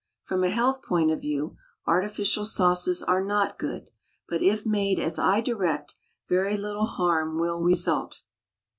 From a health point of view artificial sauces are not good, but if made as I direct very little harm will result.